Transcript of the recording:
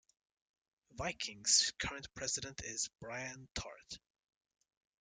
Viking's current president is Brian Tart.